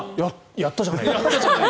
やったじゃない。